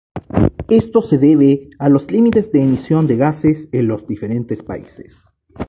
Esto se debe a los límites de emisión de gases en los diferentes países.